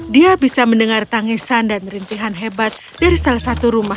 dia bisa mendengar tangisan dan rintihan hebat dari salah satu rumah